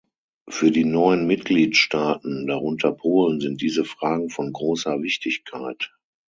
Für die neuen Mitgliedstaaten, darunter Polen, sind diese Fragen von großer Wichtigkeit.